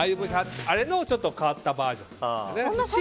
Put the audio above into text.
あれのちょっと変わったバージョン。